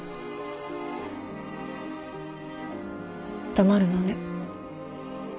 黙るのね。